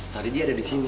tadi dia ada disini